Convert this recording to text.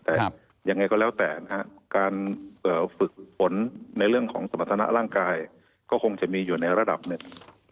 แต่ยังไงก็แล้วแต่นะฮะการฝึกผลในเรื่องของสมรรถนะร่างกายก็คงจะมีอยู่ในระดับหนึ่ง